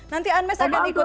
nanti anmes akan ikut